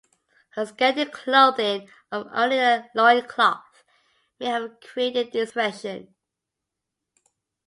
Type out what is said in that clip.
Her scanty clothing of only a loincloth may have created this impression.